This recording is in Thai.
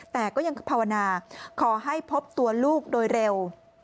แต่ก็ยังภาวนาขอให้พบตัวลูกโดยเร็ว